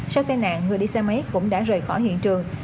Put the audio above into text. sau tai nạn người đi xe máy cũng đã rời khỏi hiện trường